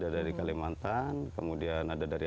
dari kalimantan kemudian ada dari